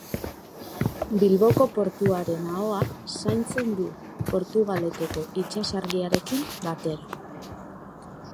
Bilboko portuaren ahoa zaintzen du Portugaleteko itsasargiarekin batera.